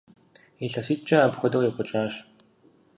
ИлъэситӀкӀэ апхуэдэу екӀуэкӀащ.